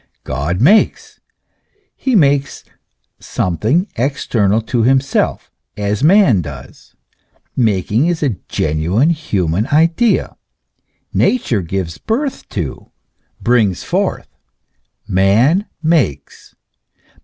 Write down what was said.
God makes, he makes something external to himself, as man does. Making is a genuine human idea. Nature gives birth to, brings forth ; man makes.